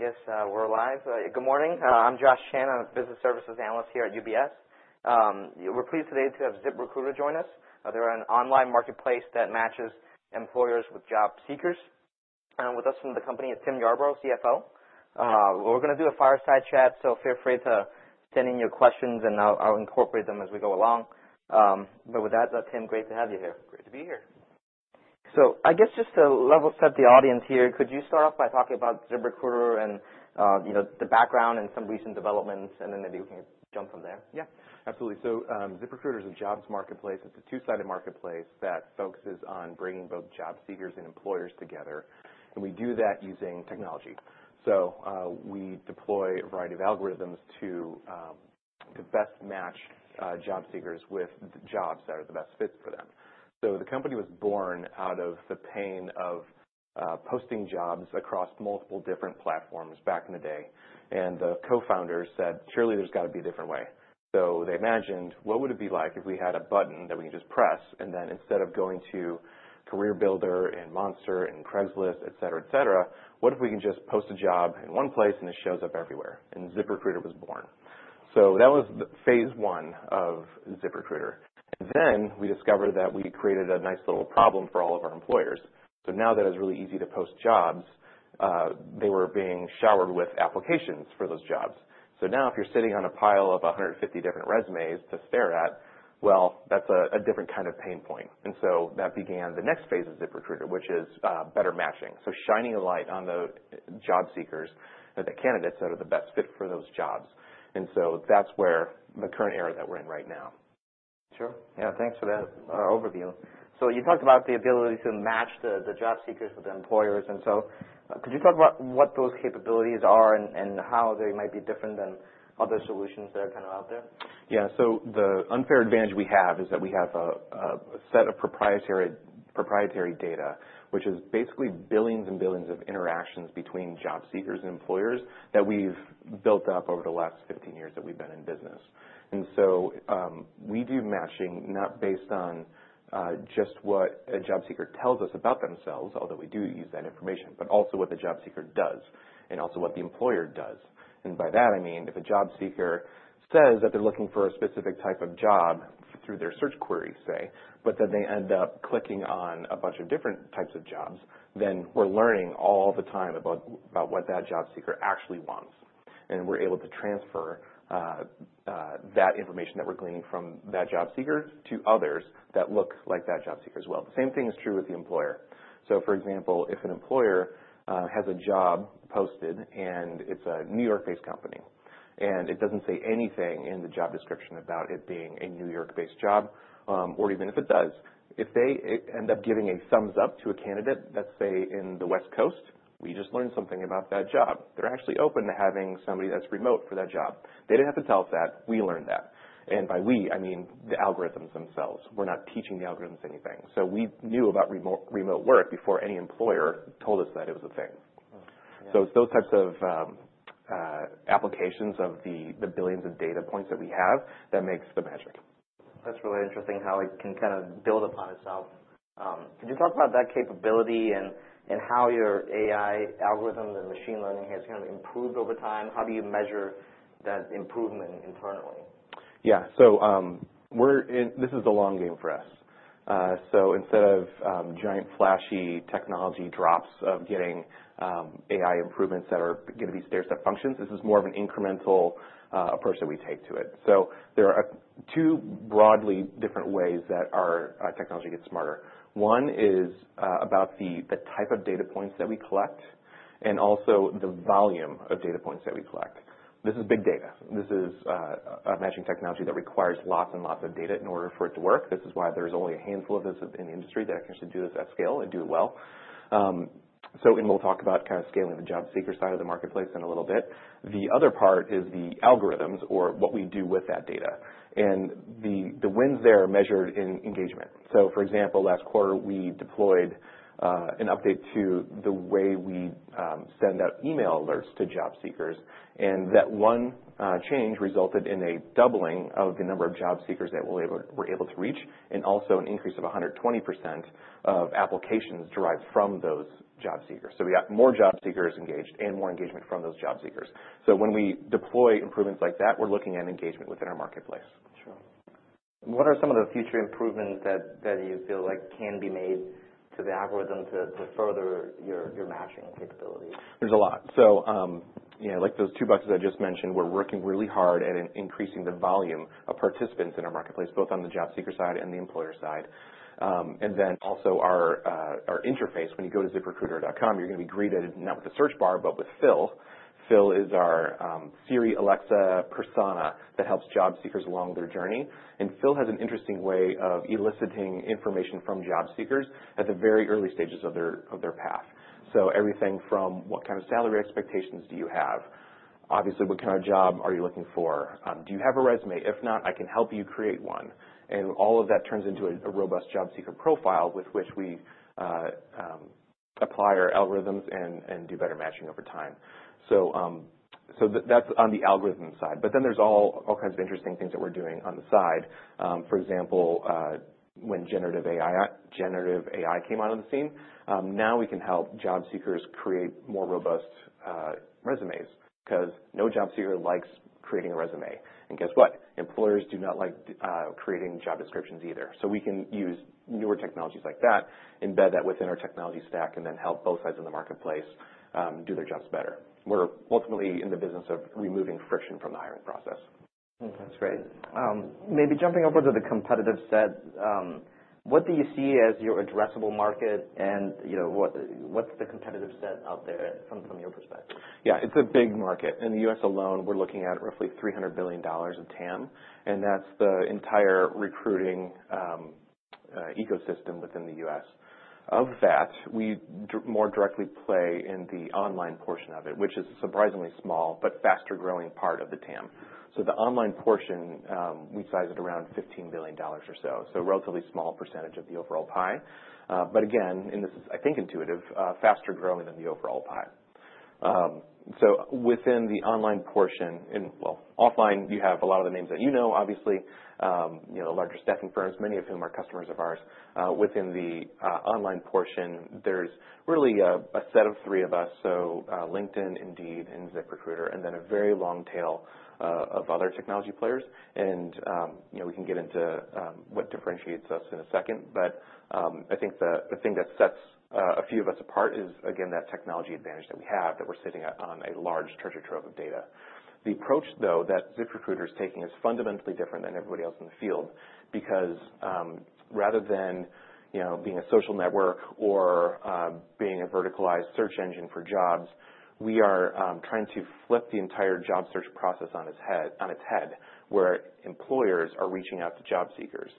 All right. I guess, we're live. Good morning. I'm Josh Chan. I'm a business services analyst here at UBS. We're pleased today to have ZipRecruiter join us. They're an online marketplace that matches employers with job seekers. With us from the company is Tim Yarbrough, CFO. We're gonna do a fireside chat, so feel free to send in your questions, and I'll incorporate them as we go along. But with that, Tim, great to have you here. Great to be here. So, I guess, just to level set the audience here, could you start off by talking about ZipRecruiter and, you know, the background and some recent developments, and then maybe we can jump from there? Yeah. Absolutely. So, ZipRecruiter is a jobs marketplace. It's a two-sided marketplace that focuses on bringing both job seekers and employers together. And we do that using technology. So, we deploy a variety of algorithms to best match job seekers with the jobs that are the best fit for them. So the company was born out of the pain of posting jobs across multiple different platforms back in the day. And the co-founders said, "Surely there's got to be a different way." So they imagined, "What would it be like if we had a button that we could just press?" And then instead of going to CareerBuilder and Monster and Craigslist, etc., etc., what if we can just post a job in one place and it shows up everywhere? And ZipRecruiter was born. So that was the phase I of ZipRecruiter. And then we discovered that we created a nice little problem for all of our employers. So now that it's really easy to post jobs, they were being showered with applications for those jobs. So now if you're sitting on a pile of 150 different resumes to stare at, well, that's a different kind of pain point. And so that began the next phase of ZipRecruiter, which is better matching. So shining a light on the job seekers or the candidates that are the best fit for those jobs. And so that's where the current era that we're in right now. Sure. Yeah. Thanks for that overview. So you talked about the ability to match the job seekers with the employers. And so, could you talk about what those capabilities are and how they might be different than other solutions that are kind of out there? Yeah. So the unfair advantage we have is that we have a set of proprietary data, which is basically billions and billions of interactions between job seekers and employers that we've built up over the last 15 years that we've been in business. And so, we do matching not based on just what a job seeker tells us about themselves, although we do use that information, but also what the job seeker does and also what the employer does. And by that, I mean if a job seeker says that they're looking for a specific type of job through their search query, say, but then they end up clicking on a bunch of different types of jobs, then we're learning all the time about what that job seeker actually wants. We're able to transfer that information that we're gleaning from that job seeker to others that look like that job seeker as well. The same thing is true with the employer. So for example, if an employer has a job posted and it's a New York-based company and it doesn't say anything in the job description about it being a New York-based job, or even if it does, if they end up giving a thumbs up to a candidate that's, say, in the West Coast, we just learned something about that job. They're actually open to having somebody that's remote for that job. They didn't have to tell us that. We learned that. And by we, I mean the algorithms themselves. We're not teaching the algorithms anything. So we knew about remote work before any employer told us that it was a thing. Yeah. So it's those types of applications of the billions of data points that we have that makes the magic. That's really interesting how it can kind of build upon itself. Could you talk about that capability and how your AI algorithm and machine learning has kind of improved over time? How do you measure that improvement internally? Yeah. So, this is the long game for us, so instead of giant flashy technology drops or getting AI improvements that are gonna be stair-step functions, this is more of an incremental approach that we take to it, so there are two broadly different ways that our technology gets smarter. One is about the type of data points that we collect and also the volume of data points that we collect. This is big data. This is a matching technology that requires lots and lots of data in order for it to work. This is why there's only a handful of us in the industry that can actually do this at scale and do it well, and we'll talk about kind of scaling the job seeker side of the marketplace in a little bit. The other part is the algorithms or what we do with that data, and the wins there are measured in engagement, so for example, last quarter we deployed an update to the way we send out email alerts to job seekers, and that one change resulted in a doubling of the number of job seekers that we were able to reach and also an increase of 120% of applications derived from those job seekers, so we got more job seekers engaged and more engagement from those job seekers, so when we deploy improvements like that, we're looking at engagement within our marketplace. Sure. What are some of the future improvements that you feel like can be made to the algorithm to further your matching capabilities? There's a lot. So, you know, like those two buckets I just mentioned, we're working really hard at increasing the volume of participants in our marketplace, both on the job seeker side and the employer side, and then also our interface. When you go to ZipRecruiter.com, you're gonna be greeted not with the search bar but with Phil. Phil is our Siri, Alexa persona that helps job seekers along their journey. And Phil has an interesting way of eliciting information from job seekers at the very early stages of their path. So everything from what kind of salary expectations do you have, obviously what kind of job are you looking for, do you have a resume? If not, I can help you create one. And all of that turns into a robust job seeker profile with which we apply our algorithms and do better matching over time. So that's on the algorithm side. But then there's all kinds of interesting things that we're doing on the side. For example, when generative AI came out on the scene, now we can help job seekers create more robust resumes 'cause no job seeker likes creating a resume. And guess what? Employers do not like creating job descriptions either. So we can use newer technologies like that, embed that within our technology stack, and then help both sides in the marketplace do their jobs better. We're ultimately in the business of removing friction from the hiring process. That's great. Maybe jumping over to the competitive set, what do you see as your addressable market and, you know, what, what's the competitive set out there from, from your perspective? Yeah. It's a big market. In the U.S. alone, we're looking at roughly $300 billion of TAM. And that's the entire recruiting ecosystem within the U.S. Of that, we do more directly play in the online portion of it, which is surprisingly small but faster-growing part of the TAM. So the online portion, we size at around $15 billion or so. So a relatively small percentage of the overall pie. But again, and this is, I think, intuitive, faster-growing than the overall pie. So within the online portion and, well, offline, you have a lot of the names that you know, obviously, you know, the larger staffing firms, many of whom are customers of ours. Within the online portion, there's really a set of three of us. So, LinkedIn, Indeed, and ZipRecruiter, and then a very long tail of other technology players. You know, we can get into what differentiates us in a second. I think the thing that sets a few of us apart is, again, that technology advantage that we have that we're sitting on a large treasure trove of data. The approach, though, that ZipRecruiter is taking is fundamentally different than everybody else in the field because, rather than, you know, being a social network or, being a verticalized search engine for jobs, we are trying to flip the entire job search process on its head, on its head, where employers are reaching out to job seekers.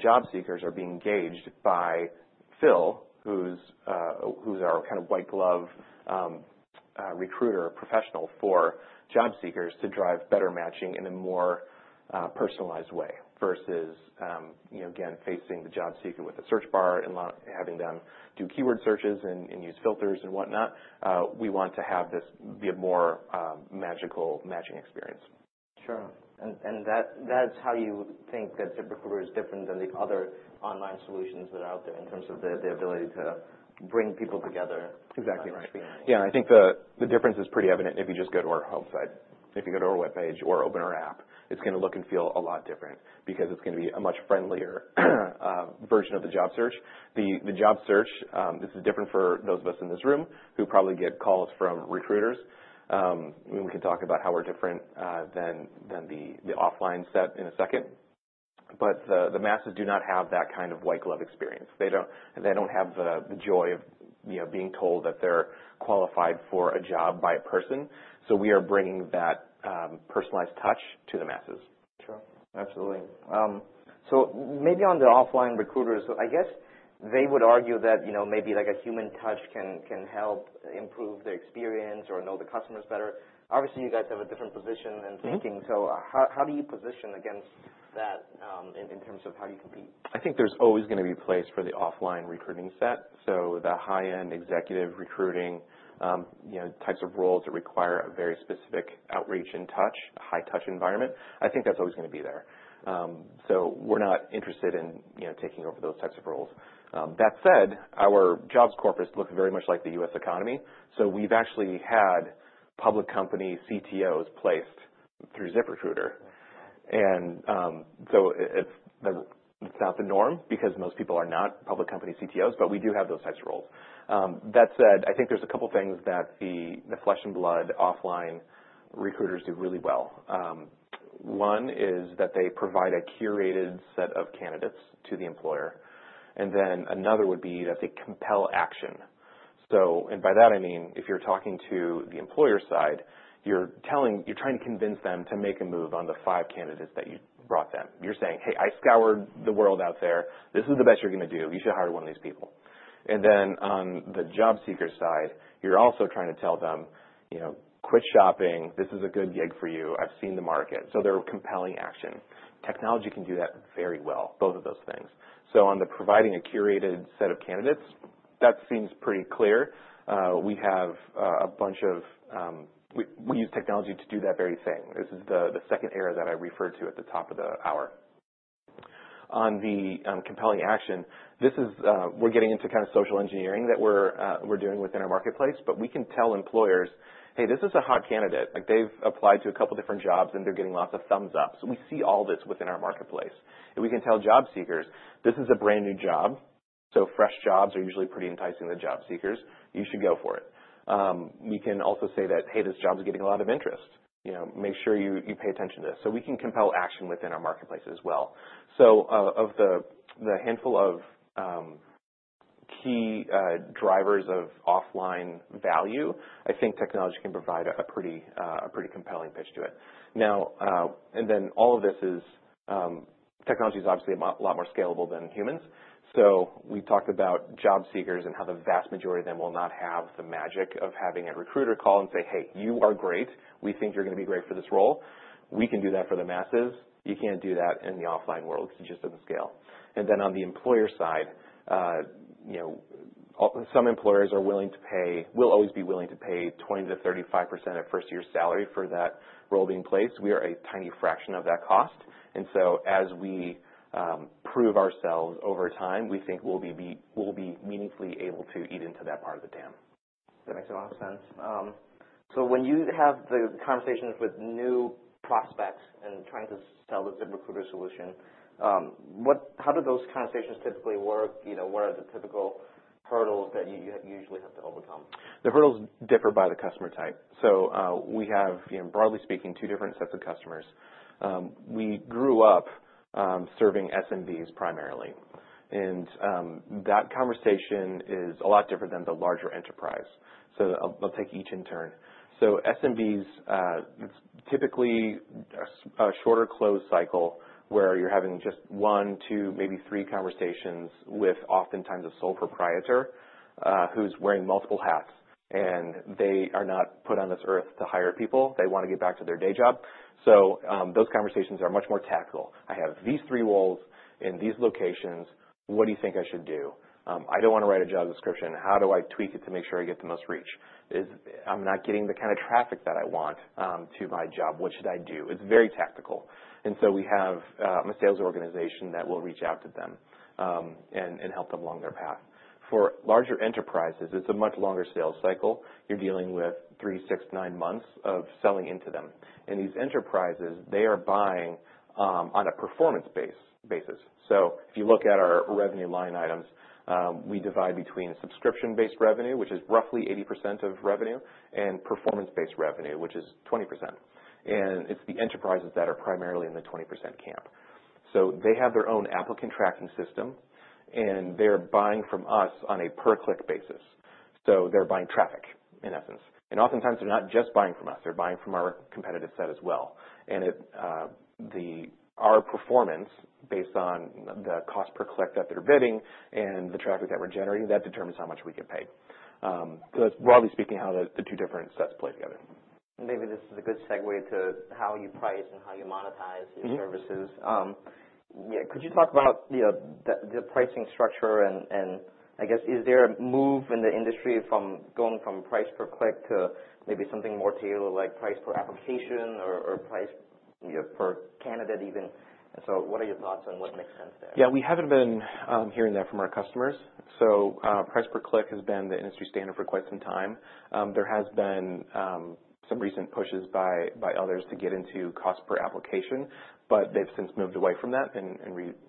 Job seekers are being gauged by Phil, who's our kind of white-glove, recruiter professional for job seekers to drive better matching in a more personalized way versus, you know, again, facing the job seeker with a search bar and having them do keyword searches and use filters and whatnot. We want to have this be a more magical matching experience. Sure, and that, that's how you think that ZipRecruiter is different than the other online solutions that are out there in terms of the ability to bring people together. Exactly right. And experience. Yeah. And I think the difference is pretty evident if you just go to our homepage. If you go to our webpage or open our app, it's gonna look and feel a lot different because it's gonna be a much friendlier version of the job search. The job search, this is different for those of us in this room who probably get calls from recruiters, and we can talk about how we're different than the offline sort in a second. But the masses do not have that kind of white-glove experience. They don't have the joy of, you know, being told that they're qualified for a job by a person. So we are bringing that personalized touch to the masses. Sure. Absolutely. So maybe on the offline recruiters, I guess they would argue that, you know, maybe like a human touch can help improve their experience or know the customers better. Obviously, you guys have a different position and thinking. So how do you position against that, in terms of how you compete? I think there's always gonna be a place for the offline recruiting set. So the high-end executive recruiting, you know, types of roles that require a very specific outreach and touch, a high-touch environment, I think that's always gonna be there. So we're not interested in, you know, taking over those types of roles. That said, our jobs corpus looks very much like the U.S. economy. So we've actually had public company CTOs placed through ZipRecruiter. And, so it's not the norm because most people are not public company CTOs, but we do have those types of roles. That said, I think there's a couple things that the flesh-and-blood offline recruiters do really well. One is that they provide a curated set of candidates to the employer. And then another would be that they compel action. So, and by that, I mean if you're talking to the employer side, you're telling, you're trying to convince them to make a move on the five candidates that you brought them. You're saying, "Hey, I scoured the world out there. This is the best you're gonna do. You should hire one of these people." And then on the job seeker side, you're also trying to tell them, you know, "Quit shopping. This is a good gig for you. I've seen the market." So they're compelling action. Technology can do that very well, both of those things. So on the providing a curated set of candidates, that seems pretty clear. We have a bunch of. We use technology to do that very thing. This is the second era that I referred to at the top of the hour. On the compelling action, we're getting into kind of social engineering that we're doing within our marketplace. But we can tell employers, "Hey, this is a hot candidate. Like, they've applied to a couple different jobs, and they're getting lots of thumbs up." So we see all this within our marketplace. And we can tell job seekers, "This is a brand new job. So fresh jobs are usually pretty enticing to job seekers. You should go for it." We can also say that, "Hey, this job's getting a lot of interest. You know, make sure you pay attention to this." So we can compel action within our marketplace as well. So, of the handful of key drivers of offline value, I think technology can provide a pretty compelling pitch to it. Now, and then all of this is, technology's obviously a lot more scalable than humans. So we talked about job seekers and how the vast majority of them will not have the magic of having a recruiter call and say, "Hey, you are great. We think you're gonna be great for this role. We can do that for the masses. You can't do that in the offline world 'cause it just doesn't scale." And then on the employer side, you know, some employers are willing to pay, will always be willing to pay 20%-35% of first-year salary for that role being placed. We are a tiny fraction of that cost. And so as we prove ourselves over time, we think we'll be meaningfully able to eat into that part of the TAM. That makes a lot of sense, so when you have the conversations with new prospects and trying to sell the ZipRecruiter solution, what, how do those conversations typically work? You know, what are the typical hurdles that you usually have to overcome? The hurdles differ by the customer type. So, we have, you know, broadly speaking, two different sets of customers. We grew up serving SMBs primarily. And, that conversation is a lot different than the larger enterprise. So I'll take each in turn. So SMBs, it's typically a shorter closed cycle where you're having just one, two, maybe three conversations with oftentimes a sole proprietor, who's wearing multiple hats. And they are not put on this earth to hire people. They wanna get back to their day job. So, those conversations are much more tactical. "I have these three roles in these locations. What do you think I should do? I don't wanna write a job description. How do I tweak it to make sure I get the most reach? If I'm not getting the kind of traffic that I want, to my job. What should I do?" It's very tactical. And so we have a sales organization that will reach out to them and help them along their path. For larger enterprises, it's a much longer sales cycle. You're dealing with three, six, nine months of selling into them. And these enterprises, they are buying on a performance basis. So if you look at our revenue line items, we divide between subscription-based revenue, which is roughly 80% of revenue, and performance-based revenue, which is 20%. And it's the enterprises that are primarily in the 20% camp. So they have their own applicant tracking system, and they're buying from us on a per-click basis. So they're buying traffic, in essence. And oftentimes, they're not just buying from us. They're buying from our competitive set as well. It's our performance based on the cost per click that they're bidding and the traffic that we're generating, that determines how much we get paid, so that's broadly speaking how the two different sets play together. Maybe this is a good segue to how you price and how you monetize your services. Mm-hmm. Yeah. Could you talk about, you know, the pricing structure and, I guess, is there a move in the industry from going from price per click to maybe something more tailored like price per application or, or price, you know, per candidate even? And so what are your thoughts on what makes sense there? Yeah. We haven't been hearing that from our customers. So, price per click has been the industry standard for quite some time. There has been some recent pushes by others to get into cost per application, but they've since moved away from that and reverted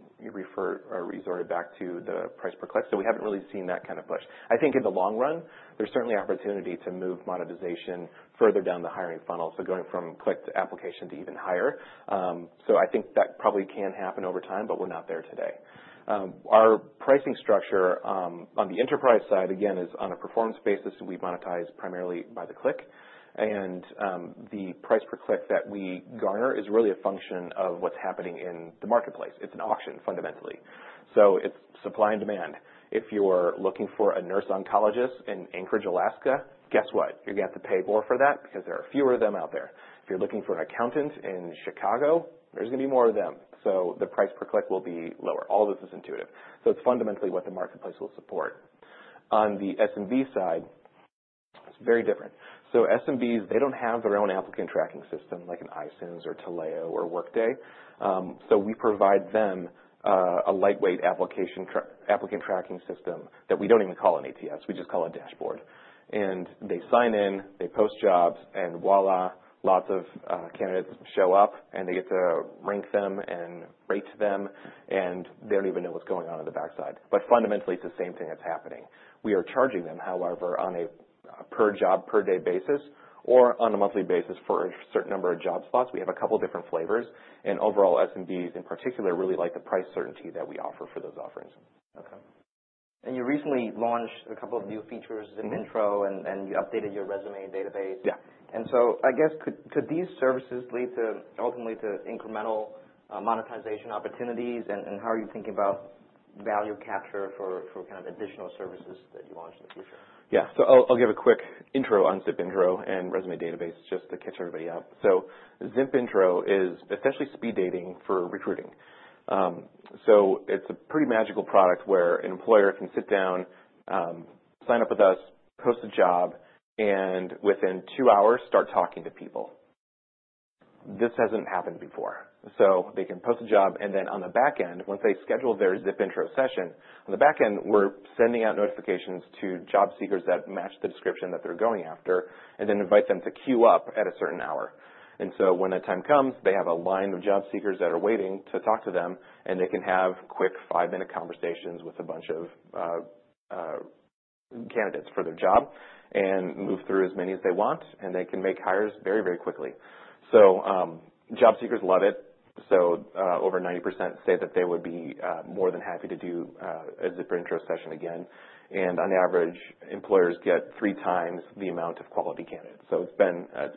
or resorted back to the price per click. So we haven't really seen that kind of push. I think in the long run, there's certainly opportunity to move monetization further down the hiring funnel. So going from click to application to even higher. I think that probably can happen over time, but we're not there today. Our pricing structure, on the enterprise side, again, is on a performance basis. We monetize primarily by the click. And, the price per click that we garner is really a function of what's happening in the marketplace. It's an auction, fundamentally. So it's supply and demand. If you're looking for a nurse oncologist in Anchorage, Alaska, guess what? You're gonna have to pay more for that because there are fewer of them out there. If you're looking for an accountant in Chicago, there's gonna be more of them. So the price per click will be lower. All of this is intuitive. So it's fundamentally what the marketplace will support. On the SMB side, it's very different. So SMBs, they don't have their own applicant tracking system like an iCIMS or Taleo or Workday. So we provide them a lightweight application track applicant tracking system that we don't even call an ATS. We just call a dashboard. And they sign in, they post jobs, and voilà, lots of candidates show up, and they get to rank them and rate them. And they don't even know what's going on in the backside. Fundamentally, it's the same thing that's happening. We are charging them, however, on a per-job-per-day basis or on a monthly basis for a certain number of job slots. We have a couple different flavors. Overall, SMBs in particular really like the price certainty that we offer for those offerings. Okay. And you recently launched a couple of new features in ZipRecruiter. Mm-hmm. You updated your resume database. Yeah. And so I guess, could these services lead ultimately to incremental monetization opportunities? And how are you thinking about value capture for kind of additional services that you launch in the future? Yeah, so I'll give a quick intro on ZipIntro and resume database just to catch everybody up, so ZipIntro is essentially speed dating for recruiting, so it's a pretty magical product where an employer can sit down, sign up with us, post a job, and within two hours, start talking to people. This hasn't happened before, so they can post a job, and then on the back end, once they schedule their ZipIntro session, we're sending out notifications to job seekers that match the description that they're going after and then invite them to queue up at a certain hour, and so when that time comes, they have a line of job seekers that are waiting to talk to them, and they can have quick five-minute conversations with a bunch of candidates for their job and move through as many as they want. They can make hires very, very quickly. Job seekers love it. Over 90% say that they would be more than happy to do a ZipIntro session again. On average, employers get three times the amount of quality candidates. It's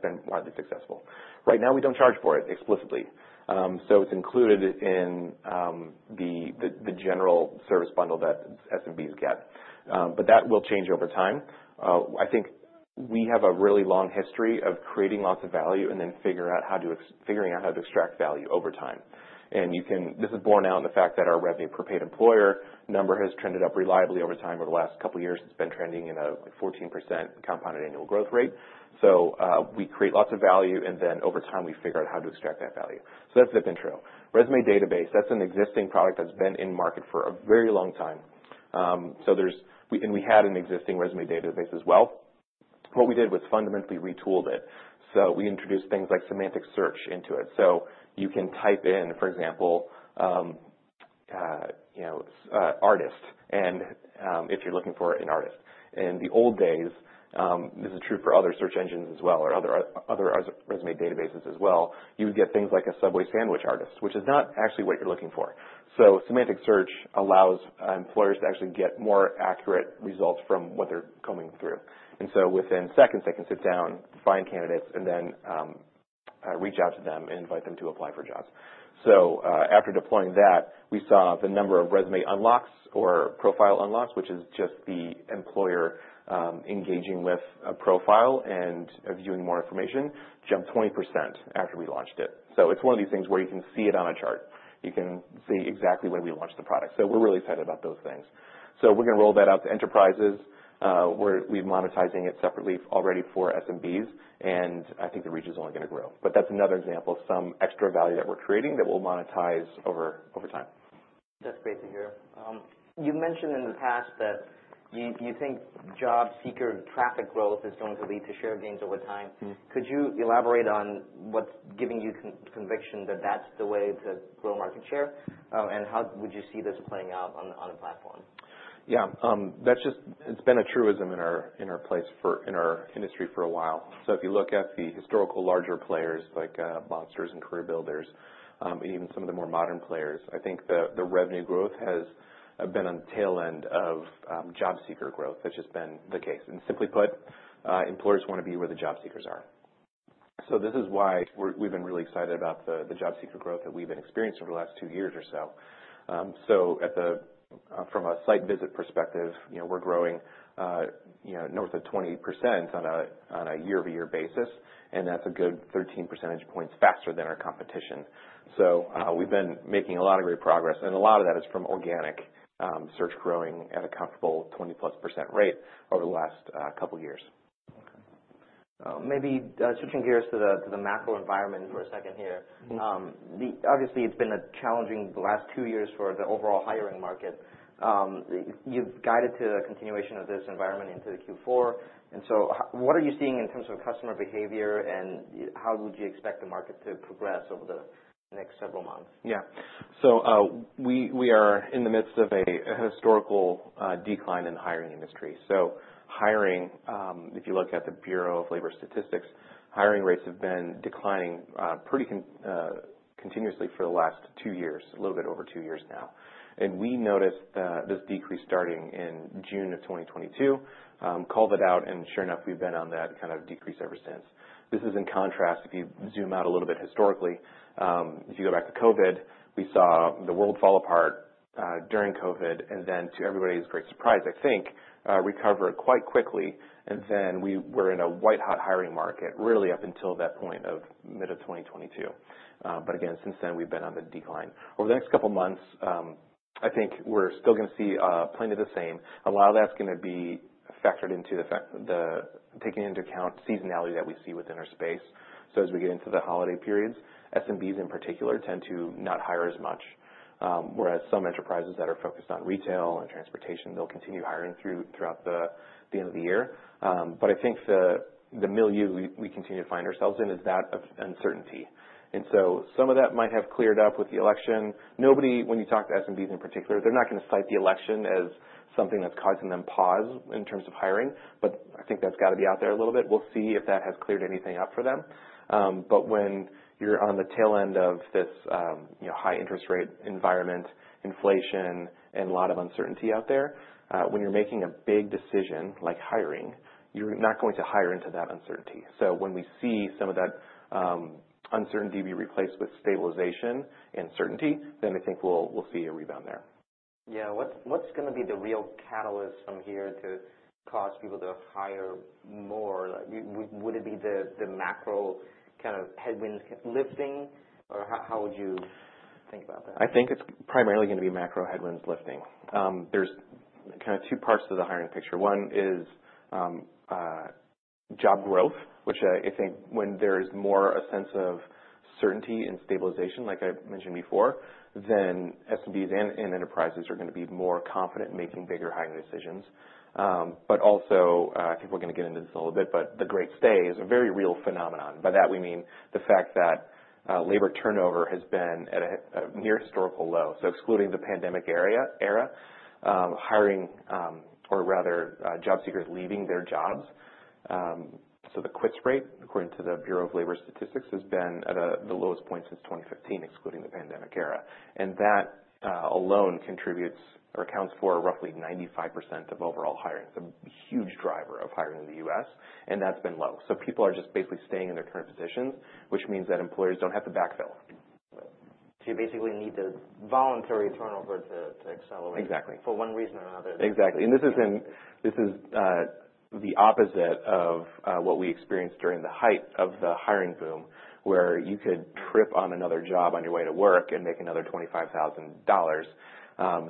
been widely successful. Right now, we don't charge for it explicitly. It's included in the general service bundle that SMBs get, but that will change over time. I think we have a really long history of creating lots of value and then figuring out how to extract value over time. And, you can see, this is borne out in the fact that our revenue per paid employer number has trended up reliably over time. Over the last couple of years, it's been trending in a 14% compounded annual growth rate. So, we create lots of value, and then over time, we figure out how to extract that value. So that's ZipRecruiter. Resume database, that's an existing product that's been in market for a very long time. So we had an existing resume database as well. What we did was fundamentally retooled it. So we introduced things like semantic search into it. So you can type in, for example, you know, artist, and, if you're looking for an artist. In the old days, this is true for other search engines as well or other resume databases as well. You would get things like a Subway Sandwich artist, which is not actually what you're looking for. So semantic search allows employers to actually get more accurate results from what they're coming through. And so within seconds, they can sit down, find candidates, and then reach out to them and invite them to apply for jobs. So after deploying that, we saw the number of resume unlocks or profile unlocks, which is just the employer engaging with a profile and viewing more information, jumped 20% after we launched it. So it's one of these things where you can see it on a chart. You can see exactly when we launched the product. So we're really excited about those things. So we're gonna roll that out to enterprises. We're monetizing it separately already for SMBs. And I think the reach is only gonna grow. But that's another example of some extra value that we're creating that we'll monetize over time. That's great to hear. You mentioned in the past that you think job seeker traffic growth is going to lead to share gains over time. Mm-hmm. Could you elaborate on what's giving you conviction that that's the way to grow market share? And how would you see this playing out on the platform? Yeah, that's just it. It's been a truism in our industry for a while. So if you look at the historical larger players like Monster and CareerBuilder, and even some of the more modern players, I think the revenue growth has been on the tail end of job seeker growth. That's just been the case. And simply put, employers wanna be where the job seekers are. So this is why we've been really excited about the job seeker growth that we've been experiencing over the last two years or so. So from a site visit perspective, you know, we're growing, you know, north of 20% on a year-over-year basis. And that's a good 13 percentage points faster than our competition. So we've been making a lot of great progress. A lot of that is from organic search growing at a comfortable 20+% rate over the last couple of years. Okay, maybe switching gears to the macro environment for a second here. Mm-hmm. So obviously, it's been a challenging last two years for the overall hiring market. You've guided to a continuation of this environment into Q4. And so what are you seeing in terms of customer behavior? And how would you expect the market to progress over the next several months? Yeah. So, we are in the midst of a historical decline in the hiring industry. So hiring, if you look at the Bureau of Labor Statistics, hiring rates have been declining pretty continuously for the last two years, a little bit over two years now. And we noticed this decrease starting in June of 2022, called it out. And sure enough, we've been on that kind of decrease ever since. This is in contrast. If you zoom out a little bit historically, if you go back to COVID, we saw the world fall apart during COVID. And then to everybody's great surprise, I think, recovered quite quickly. And then we were in a white-hot hiring market really up until that point of mid of 2022, but again, since then, we've been on the decline. Over the next couple of months, I think we're still gonna see plenty of the same. While that's gonna be factored into the taking into account seasonality that we see within our space, so as we get into the holiday periods, SMBs in particular tend to not hire as much, whereas some enterprises that are focused on retail and transportation, they'll continue hiring through the end of the year. I think the milieu we continue to find ourselves in is that of uncertainty. Some of that might have cleared up with the election. Nobody, when you talk to SMBs in particular, they're not gonna cite the election as something that's causing them pause in terms of hiring. I think that's got to be out there a little bit. We'll see if that has cleared anything up for them. But when you're on the tail end of this, you know, high-interest rate environment, inflation, and a lot of uncertainty out there, when you're making a big decision like hiring, you're not going to hire into that uncertainty. So when we see some of that uncertainty be replaced with stabilization and certainty, then I think we'll see a rebound there. Yeah. What's gonna be the real catalyst from here to cause people to hire more? Like, would it be the macro kind of headwinds lifting? Or how would you think about that? I think it's primarily gonna be macro headwinds lifting. There's kind of two parts to the hiring picture. One is job growth, which I think when there is more a sense of certainty and stabilization, like I mentioned before, then SMBs and enterprises are gonna be more confident making bigger hiring decisions, but also I think we're gonna get into this a little bit, but the great stay is a very real phenomenon. By that, we mean the fact that labor turnover has been at a near historical low. So excluding the pandemic era, hiring, or rather job seekers leaving their jobs, so the quits rate, according to the Bureau of Labor Statistics, has been at the lowest point since 2015, excluding the pandemic era, that alone contributes or accounts for roughly 95% of overall hiring. It's a huge driver of hiring in the U.S. That's been low. People are just basically staying in their current positions, which means that employers don't have to backfill. You basically need the voluntary turnover to accelerate. Exactly. For one reason or another. Exactly. And this is the opposite of what we experienced during the height of the hiring boom where you could trip on another job on your way to work and make another $25,000,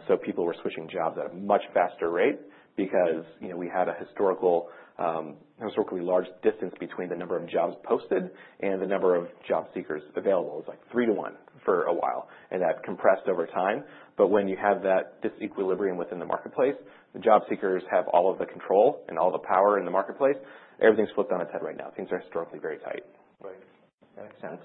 so people were switching jobs at a much faster rate because, you know, we had a historically large distance between the number of jobs posted and the number of job seekers available. It was like three to one for a while. And that compressed over time. But when you have that disequilibrium within the marketplace, the job seekers have all of the control and all the power in the marketplace. Everything's flipped on its head right now. Things are historically very tight. Right. That makes sense.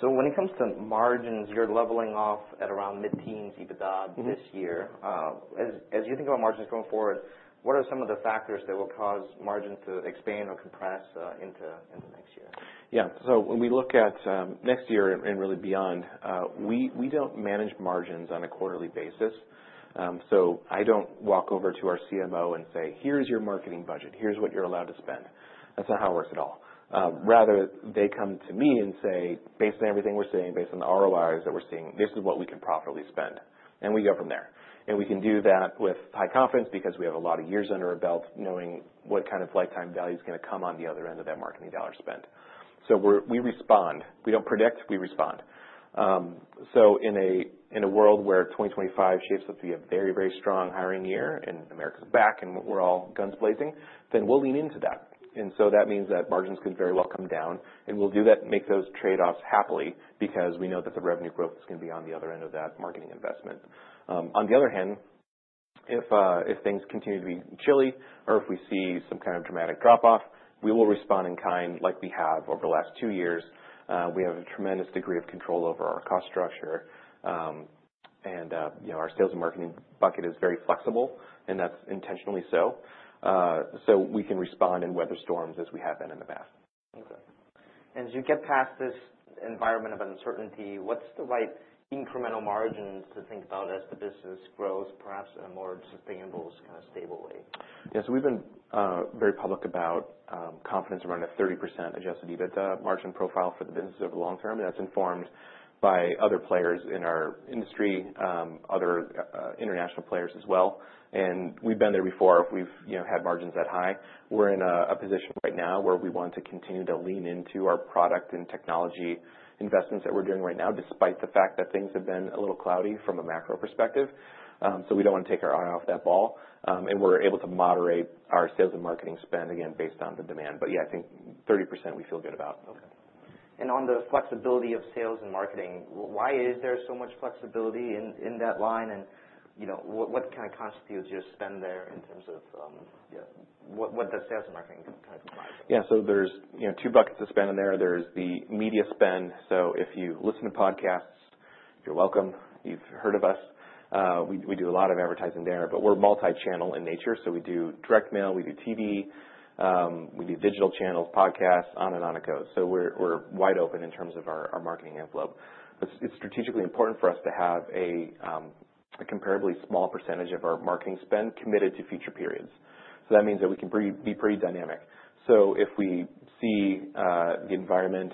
So when it comes to margins, you're leveling off at around mid-teens, even odds this year. Mm-hmm. As you think about margins going forward, what are some of the factors that will cause margins to expand or compress into next year? Yeah. So when we look at next year and really beyond, we don't manage margins on a quarterly basis. So I don't walk over to our CMO and say, "Here's your marketing budget. Here's what you're allowed to spend." That's not how it works at all. Rather, they come to me and say, "Based on everything we're seeing, based on the ROIs that we're seeing, this is what we can profitably spend." And we go from there. And we can do that with high confidence because we have a lot of years under our belt knowing what kind of lifetime value is gonna come on the other end of that marketing dollar spent. So we respond. We don't predict. We respond. So in a world where 2025 shapes up to be a very, very strong hiring year and America's back and we're all guns blazing, then we'll lean into that. And so that means that margins could very well come down. And we'll do that, make those trade-offs happily because we know that the revenue growth is gonna be on the other end of that marketing investment. On the other hand, if things continue to be chilly or if we see some kind of dramatic drop-off, we will respond in kind like we have over the last two years. We have a tremendous degree of control over our cost structure. And, you know, our sales and marketing bucket is very flexible. And that's intentionally so. So we can respond in weather the storms as we have been in the past. Okay. And as you get past this environment of uncertainty, what's the right incremental margins to think about as the business grows perhaps in a more sustainable, kind of stable way? Yeah. So we've been very public about confidence around a 30% adjusted EBITDA margin profile for the business over the long term. And that's informed by other players in our industry, other international players as well. And we've been there before. We've you know had margins that high. We're in a position right now where we want to continue to lean into our product and technology investments that we're doing right now despite the fact that things have been a little cloudy from a macro perspective. So we don't wanna take our eye off that ball. And we're able to moderate our sales and marketing spend again based on the demand. But yeah, I think 30% we feel good about. Okay. And on the flexibility of sales and marketing, why is there so much flexibility in that line? And, you know, what kind of constitutes your spend there in terms of, you know, what does sales and marketing kind of comprise? Yeah. So there's, you know, two buckets of spend in there. There's the media spend. So if you listen to podcasts, you're welcome. You've heard of us. We do a lot of advertising there. But we're multi-channel in nature. So we do direct mail. We do TV. We do digital channels, podcasts, on and on, et cetera. So we're wide open in terms of our marketing envelope. But it's strategically important for us to have a comparably small percentage of our marketing spend committed to future periods. So that means that we can be pretty dynamic. So if we see the environment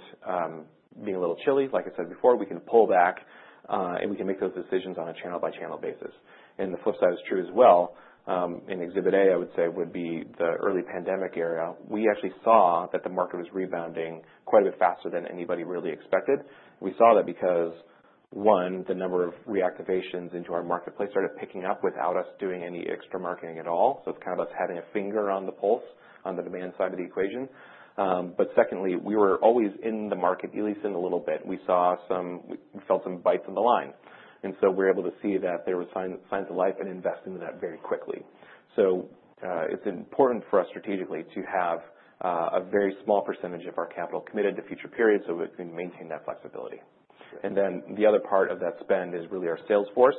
being a little chilly, like I said before, we can pull back, and we can make those decisions on a channel-by-channel basis. And the flip side is true as well. In Exhibit A, I would say, would be the early pandemic era. We actually saw that the market was rebounding quite a bit faster than anybody really expected. We saw that because, one, the number of reactivations into our marketplace started picking up without us doing any extra marketing at all. So it's kind of us having a finger on the pulse on the demand side of the equation, but secondly, we were always in the market, at least a little bit. We saw some; we felt some bites on the line, and so we're able to see that there were signs, signs of life and invest into that very quickly. It's important for us strategically to have a very small percentage of our capital committed to future periods so we can maintain that flexibility. Right. And then the other part of that spend is really our sales force.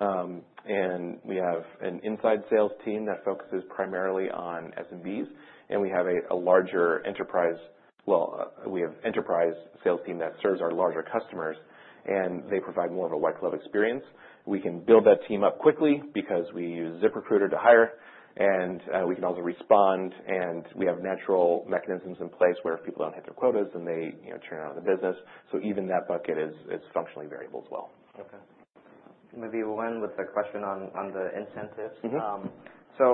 And we have an inside sales team that focuses primarily on SMBs. And we have a larger enterprise. Well, we have enterprise sales team that serves our larger customers. And they provide more of a white-glove experience. We can build that team up quickly because we use ZipRecruiter to hire. And we can also respond. And we have natural mechanisms in place where if people don't hit their quotas, then they, you know, turn out of the business. So even that bucket is functionally variable as well. Okay. Maybe we'll end with a question on the incentives. Mm-hmm. So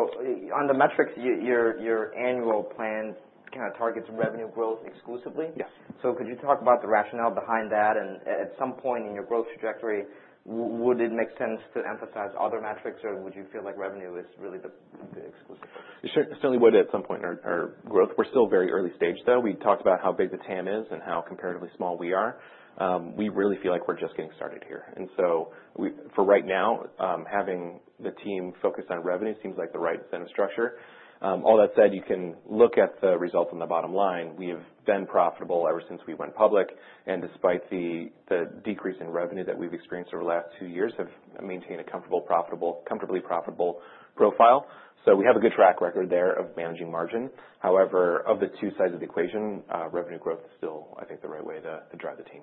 on the metrics, your annual plan kind of targets revenue growth exclusively. Yes. Could you talk about the rationale behind that? At some point in your growth trajectory, would it make sense to emphasize other metrics? Would you feel like revenue is really the exclusive focus? Certainly would at some point in our growth. We're still very early stage though. We talked about how big the TAM is and how comparatively small we are. We really feel like we're just getting started here. And so, for right now, having the team focused on revenue seems like the right incentive structure. All that said, you can look at the results on the bottom line. We have been profitable ever since we went public. And despite the decrease in revenue that we've experienced over the last two years, we have maintained a comfortably profitable profile. So we have a good track record there of managing margin. However, of the two sides of the equation, revenue growth is still, I think, the right way to drive the team.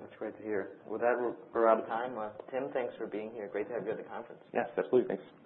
That's great to hear. Well, that we're out of time. Tim, thanks for being here. Great to have you at the conference. Yes. Absolutely. Thanks.